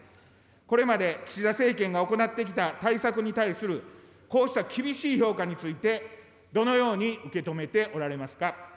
これまで岸田政権が行ってきた対策に対するこうした厳しい評価について、どのように受け止めておられますか。